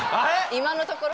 今のところ？